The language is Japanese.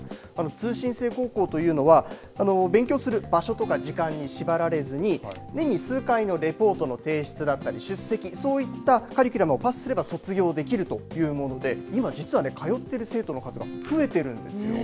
通信制高校というのは勉強する場所とか時間に縛られずに年に数回のレポートの提出だったり出席そういったカリキュラムをパスすれば卒業できるというもので今、実は通っている生徒の数が増えているんですよ。